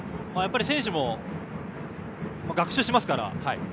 選手も学習しますから。